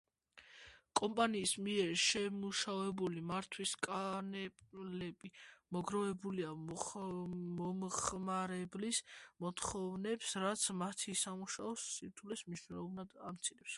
კომპანიის მიერ შემუშავებული მართვის პანელები მორგებულია მომხმარებლის მოთხოვნებს, რაც მათი სამუშაოს სირთულეს მნიშვნელოვნად ამცირებს.